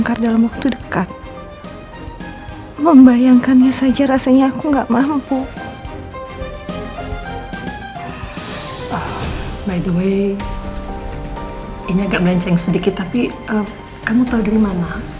kamu tahu dari mana